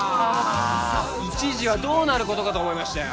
一時はどうなることかと思いましたよ